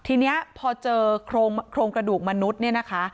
ทีนี้พอเจอโครงกระดูกมนุษย์เนี่ยนะคะ